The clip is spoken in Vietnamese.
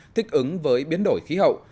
thích ứng với biến đổi khí hậu